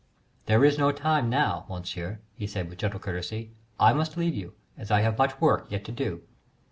"There is no time now, Monsieur," he said, with gentle courtesy. "I must leave you, as I have much work yet to do."